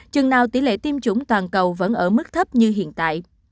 chừng nào tỷ lệ tiêm chủng toàn cầu vẫn ở mức thấp như hiện tại